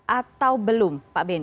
atau belum pak benny